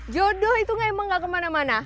jodoh itu gak emang gak kemana mana